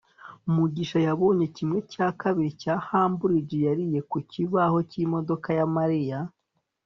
mugisha yabonye kimwe cya kabiri cya hamburger yariye ku kibaho cy'imodoka ya mariya